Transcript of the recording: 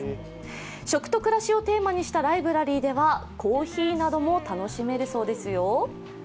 食と暮らしをテーマにしたライブラリーではコーヒーなども楽しめるそうですよ。